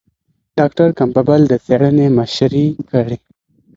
ډاکټر کمپبل د څېړنې مشري کړې.